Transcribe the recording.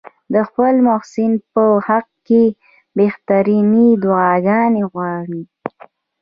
د خپل محسن په حق کې بهترینې دعاګانې وغواړي.